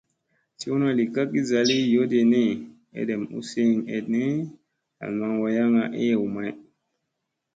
Tliyna li kagi zaali yoodi ni, edem u siiŋ eɗni hal maŋ wayaŋga eyew may.